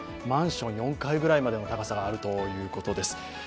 マンション４階ぐらいまでの高さがあるということです。